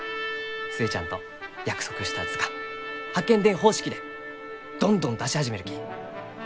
寿恵ちゃんと約束した図鑑八犬伝方式でどんどん出し始めるき。